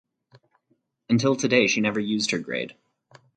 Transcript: Until today she never used her grade.